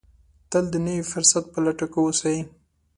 تل د نوي فرصت په لټه کې اوسئ.